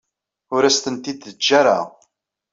Ur as-tent-id-teǧǧa ara.